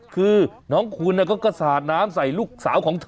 คือน้องคุณก็สาดน้ำใส่ลูกสาวของเธอ